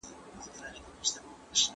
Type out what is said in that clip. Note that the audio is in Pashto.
اسلام ښځو ته پوهه ترلاسه کولو اجازه ورکوي.